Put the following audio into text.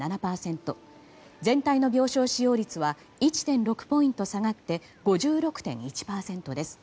全体の病床使用率は１．６ポイント下がって５６．１％です。